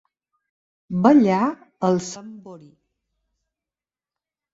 Ballar el sambori.